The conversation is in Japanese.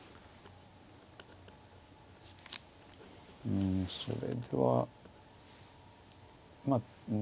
うんそれではまあうん。